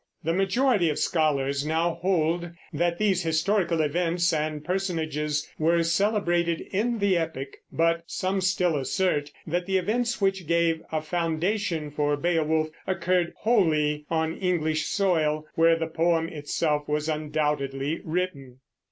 The majority of scholars now hold that these historical events and personages were celebrated in the epic; but some still assert that the events which gave a foundation for Beowulf occurred wholly on English soil, where the poem itself was undoubtedly written.